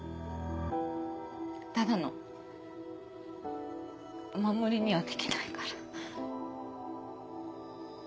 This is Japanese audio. ただのお守りにはできないから。